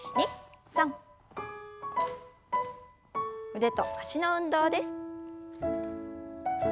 腕と脚の運動です。